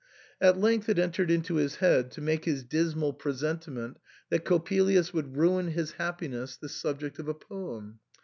At length it entered into his head to make his dismal presentiment that Coppelius would ruin his happiness the subject of a poem.